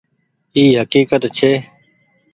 اي هڪيڪت ڇي۔